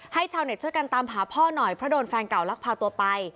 ชาวเน็ตช่วยกันตามหาพ่อหน่อยเพราะโดนแฟนเก่าลักพาตัวไป